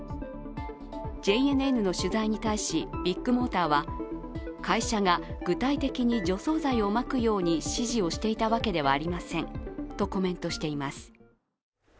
ＪＮＮの取材に対しビッグモーターは会社が具体的に除草剤をまくように指示をしていたわけではありませんとコメントしています。